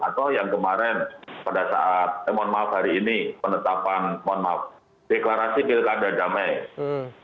atau yang kemarin pada saat mohon maaf hari ini penetapan mohon maaf deklarasi pilkada damai